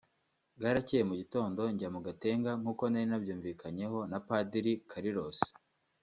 Bwarakeye mu gitondo njya mu Gatenga nk’uko nari nabyumvikanyeho na Padiri Carlos